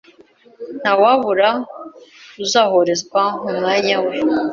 Ntawabura uzoherezwa mu mwanya we